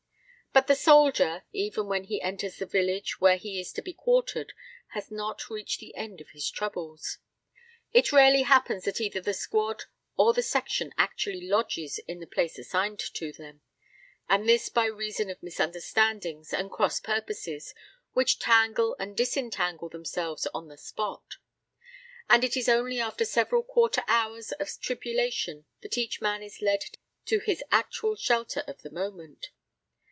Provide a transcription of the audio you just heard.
But the soldier, even when he enters the village where he is to be quartered, has not reached the end of his troubles. It rarely happens that either the squad or the section actually lodges in the place assigned to them, and this by reason of misunderstandings and cross purposes which tangle and disentangle themselves on the spot; and it is only after several quarter hours of tribulation that each man is led to his actual shelter of the moment.